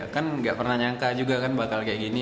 kan nggak pernah nyangka juga kan bakal kayak gini